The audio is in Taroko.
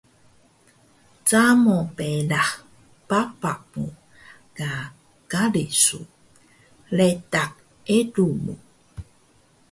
Camo berah papak mu ka kari su, ledax elu mu